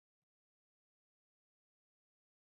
ازادي راډیو د د کار بازار په اړه د پېښو رپوټونه ورکړي.